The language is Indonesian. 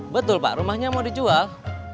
betul pak rumahnya mau dijual